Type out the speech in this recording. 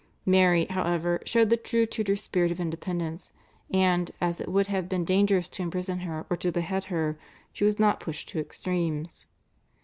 Mary, however, showed the true Tudor spirit of independence, and, as it would have been dangerous to imprison her or to behead her, she was not pushed to extremes.